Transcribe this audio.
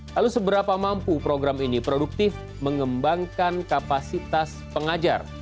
lalu seberapa mampu program ini produktif mengembangkan kapasitas pengajar